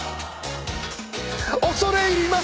「恐れ入ります」